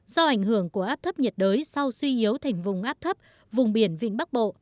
do ảnh hưởng của ấp thấp nhiệt đới sau suy yếu thành vùng ấp thấp vùng biển vĩnh bắc bộ